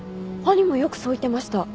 兄もよくそう言ってました。